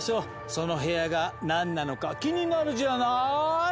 その部屋が何なのか気になるじゃない？